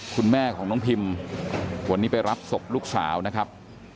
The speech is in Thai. คุณแม่ของน้องพิมวันนี้ไปรับศพลูกสาวนะครับ